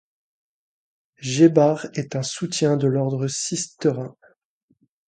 Gebhard est un soutien de l'ordre cistercien.